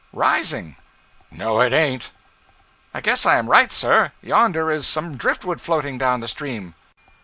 'Rising.' 'No it ain't.' 'I guess I am right, sir. Yonder is some drift wood floating down the stream.'